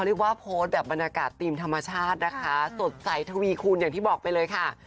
เรียกว่าโพสต์แบบบรรยากาศทีมธรรมชาตินะคะสดใสทวีคูณอย่างที่บอกไปเลยค่ะ